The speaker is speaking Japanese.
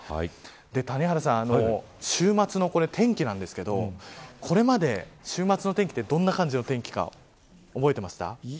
谷原さん、週末の天気なんですけどこれまで週末の天気ってどんな感じだったか